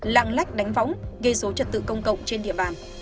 lạng lách đánh võng gây số trật tự công cộng trên địa bàn